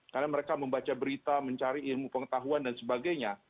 karena mereka membaca berita mencari ilmu pengetahuan dan sebagainya